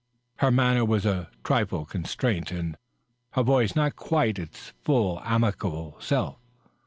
Her manner was a trifle constrained, and her voice not quite its full, amicable self.